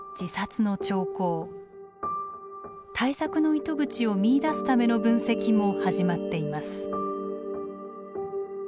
対策の糸口を見いだすための分析も始まっています。